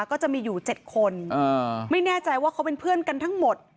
ก็จะมีอยู่๗คนไม่แน่ใจว่าเขาเป็นเพื่อนกันทั้งหมด